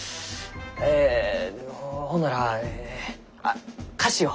えほんならあっ菓子を。